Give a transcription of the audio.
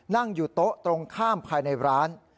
นั่งอยู่โต๊ะตรงข้ามภายในร้าน